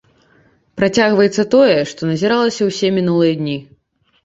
Працягваецца тое, што назіралася ўсе мінулыя дні.